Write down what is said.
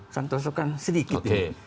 santoso kan sedikit